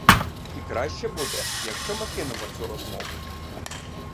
І краще буде, якщо ми кинемо цю розмову.